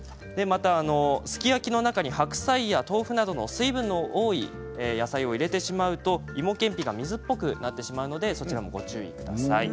また、すき焼きの中に白菜や豆腐などの水分の多い野菜を入れてしまうといもけんぴが水っぽくなってしまうので、ご注意ください。